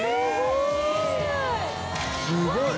「すごい！」